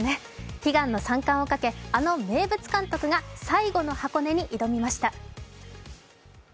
悲願の３冠をかけ、あの名物監督が最後の箱根に挑みました。